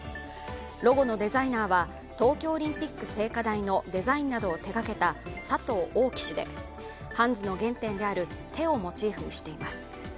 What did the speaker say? ロゴのデザイナーは東京オリンピック聖火台のデザインなどを手がけた佐藤オオキ氏でハンズの原点である手をモチーフにしています。